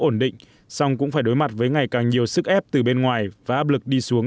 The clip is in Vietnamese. ổn định song cũng phải đối mặt với ngày càng nhiều sức ép từ bên ngoài và áp lực đi xuống